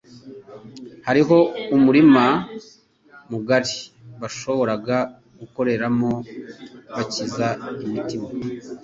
Hariho umurima mugari bashoboraga gukoreramo bakiza imitima,